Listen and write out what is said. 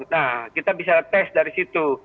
nah kita bisa tes dari situ